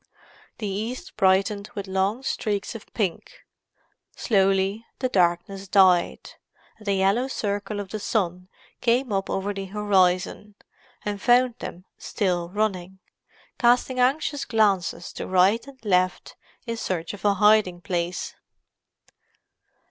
The east brightened with long streaks of pink; slowly the darkness died, and the yellow circle of the sun came up over the horizon, and found them still running—casting anxious glances to right and left in search of a hiding place.